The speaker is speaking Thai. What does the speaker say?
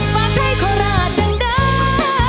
ฝากให้ขอร้าดอย่างเดิม